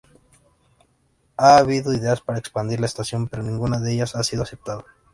Ha habido ideas para expandir la estación, pero ninguna de ellas ha sido aceptada.